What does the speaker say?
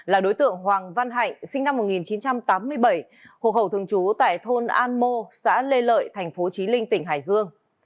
là đối tượng hoàng văn hạnh sinh năm một nghìn chín trăm tám mươi bảy hộ khẩu thường trú tại thôn an mô xã lê lợi thành phố trí linh tỉnh hải dương